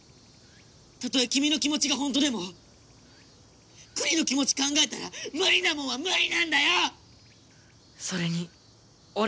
たとえ君の気持ちがほんとでも栗の気持ち考えたら無理なもんは無理なんだよ‼